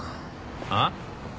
あっ？